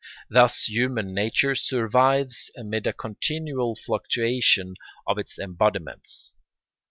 Thus human nature survives amid a continual fluctuation of its embodiments.